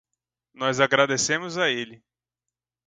Nós agradecemos a ele